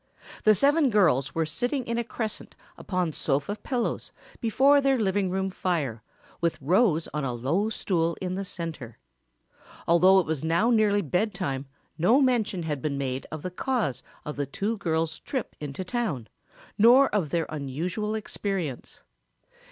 The seven girls were sitting in a crescent upon sofa pillows before their living room fire with Rose on a low stool in the center. Although it was now nearly bedtime no mention had been made of the cause of the two girls' trip into town nor of their unusual experience.